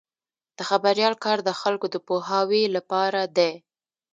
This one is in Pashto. د خبریال کار د خلکو د پوهاوي لپاره دی.